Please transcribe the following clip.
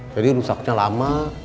jadi rusaknya lama